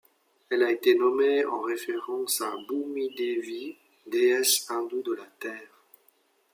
Elle a été nommée en référence à Bhumidevi, déesse hindoue de la Terre.